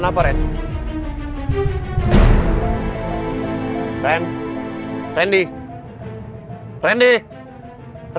ya allah astaghfirullahaladzim